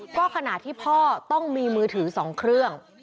ก็ขณะที่พ่อต้องมีมือถือ๒เครื่อง